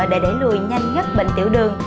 để để lùi nhanh nhất bệnh tiểu đường